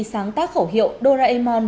sáng tác khẩu hiệu doraemon